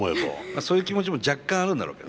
そういう気持ちも若干あるんだろうけどな。